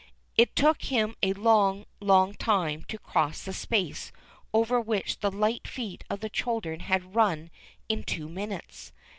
It took him a long, long time to cross the space over which the light feet of the children had run in two minutes.